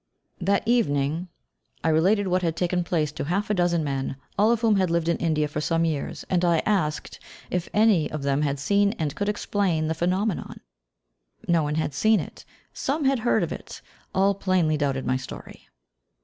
That evening I related what had taken place to half a dozen men, all of whom had lived in India for some years, and I asked if any of them had seen and could explain the phenomenon. No one had seen it, some had heard of it, all plainly doubted my story.